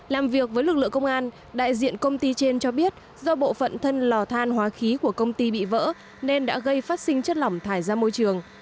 làm việc với lực lượng công an đại diện công ty trên cho biết do bộ phận thân lò than hóa khí của công ty bị vỡ nên đã gây phát sinh chất lỏng thải ra môi trường